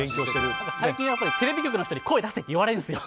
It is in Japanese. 最近テレビ局の人に声出せ！って言われるんですよ。